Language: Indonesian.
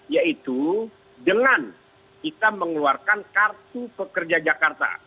yaitu dengan kita mengeluarkan kartu pekerja jakarta